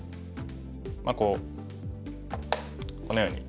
まあこうこのように。